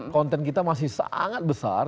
konten kita masih sangat besar